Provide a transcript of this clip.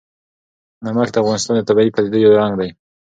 نمک د افغانستان د طبیعي پدیدو یو رنګ دی.